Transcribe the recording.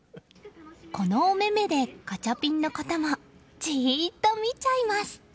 このお目目でガチャピンのこともじーっと見ちゃいます。